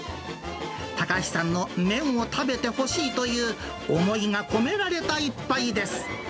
高橋さんの麺を食べてほしいという思いが込められた一杯です。